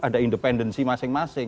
ada independensi masing masing